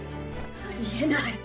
ありえない。